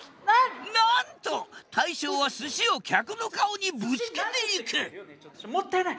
なんと大将は寿司を客の顔にぶつけていくもったいない！